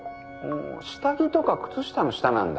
下着とか靴下の「下」なんだ。